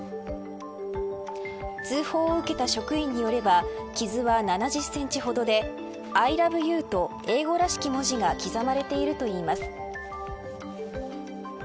通報を受けた職員によれば傷は７０センチ程でＩＬＯＶＥＹＯＵと英語らしき文字が刻まれるているといいます。